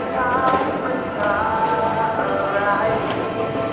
ขอบคุณทุกคนมากครับที่ทุกคนรัก